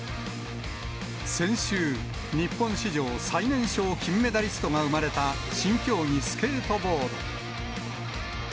先週、日本史上最年少金メダリストが生まれた新競技、スケートボード。